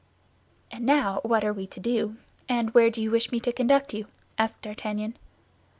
"And now what are we to do, and where do you wish me to conduct you?" asked D'Artagnan.